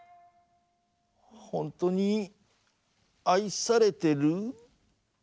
ほんとに愛されてる？